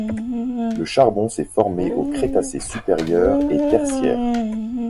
Le charbon s'est formé au Crétacé supérieur et tertiaire.